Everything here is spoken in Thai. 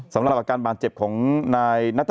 สำหรับการบานเจ็บของนายทหารณสมิตรนะฮะ